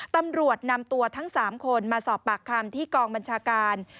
ตำรวจนำตัวทั้ง๓คนมาสอบปากคำที่กองบัญชาการ